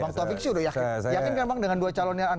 bang taufik sudah yakin saya yakin